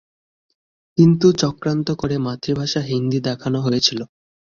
কিন্তু চক্রান্ত করে মাতৃভাষা হিন্দি দেখানো হয়েছিল।